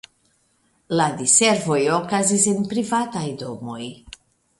La diservoj okazis en privataj domoj.